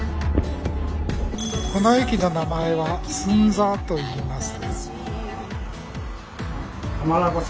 この駅の名前は「寸座」といいます。